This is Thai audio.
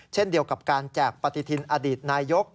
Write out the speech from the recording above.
เช่นเดียวกับการแจกปฏิทินอดีตนายก